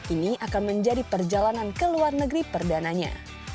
ini akan menjadi perjalanan ke luar negeri perdananya